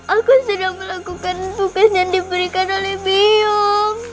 aku sedang melakukan tugas yang diberikan oleh biyung